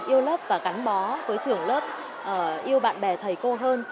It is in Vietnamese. yêu lớp và gắn bó với trường lớp yêu bạn bè thầy cô hơn